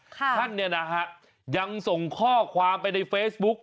ท่านเนี่ยนะฮะยังส่งข้อความไปในเฟซบุ๊ก